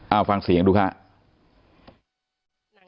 เอาฟังเสียงดูครับ